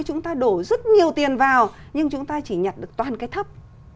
chúng ta có biết bao nhiêu thứ chúng ta đổ rất nhiều tiền vào nhưng chúng ta chỉ nhặt được toàn cái thấp